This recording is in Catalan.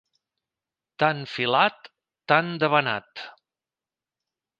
Tant filat, tant debanat.